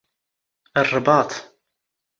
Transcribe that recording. ⵕⵕⴱⴰⵟ